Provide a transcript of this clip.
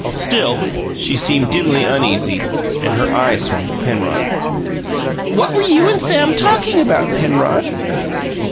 Still she seemed dimly uneasy, and her eye swung to Penrod. "What were you and Sam talking about, Penrod!"